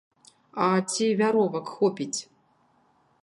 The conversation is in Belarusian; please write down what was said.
А ці вяровак хопіць?!.